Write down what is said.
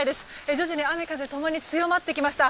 徐々に雨風共に強まってきました。